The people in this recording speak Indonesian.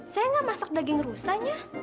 saya gak masak daging rusanya